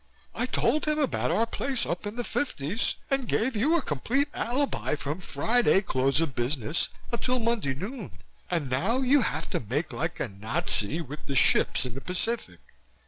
I told him about our place up in the fifties and gave you a complete alibi from Friday close of business until Monday noon. And now you have to make like a Nazi with the ships in the Pacific.